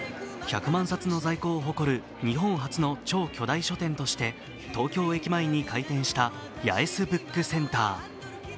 １００万冊の在庫を誇る日本初の超巨大書店として東京駅前に開店した八重洲ブックセンター。